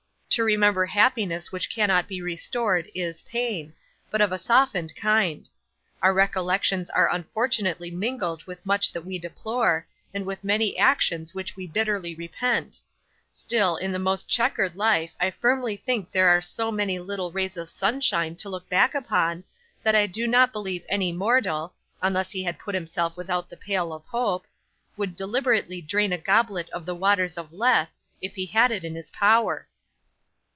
To remember happiness which cannot be restored, is pain, but of a softened kind. Our recollections are unfortunately mingled with much that we deplore, and with many actions which we bitterly repent; still in the most chequered life I firmly think there are so many little rays of sunshine to look back upon, that I do not believe any mortal (unless he had put himself without the pale of hope) would deliberately drain a goblet of the waters of Lethe, if he had it in his power.